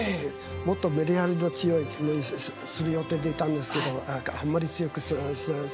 もっとメリハリの強いのにする予定でいたんですけどあんまり強くしないで。